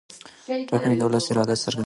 ټاکنې د ولس اراده څرګندوي